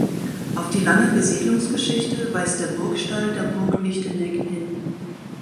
Auf die lange Besiedlungsgeschichte weist der Burgstall der Burg Lichtenegg hin.